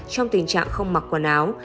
trong tình trạng không mặc quần áo